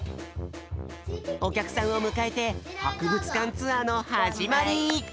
おきゃくさんをむかえてはくぶつかんツアーのはじまり！